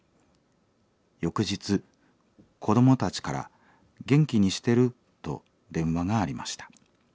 翌日子どもたちから『元気にしてる？』と電話がありました。